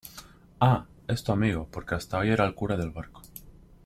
ah. es tu amigo porque hasta hoy era el cura del barco